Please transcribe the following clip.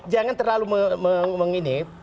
jangan terlalu mengingat